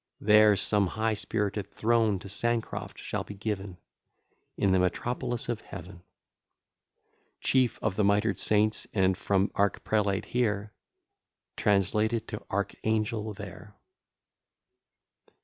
There some high spirited throne to Sancroft shall be given, In the metropolis of Heaven; Chief of the mitred saints, and from archprelate here, Translated to archangel there.